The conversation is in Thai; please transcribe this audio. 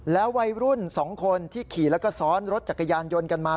วัยรุ่น๒คนที่ขี่แล้วก็ซ้อนรถจักรยานยนต์กันมา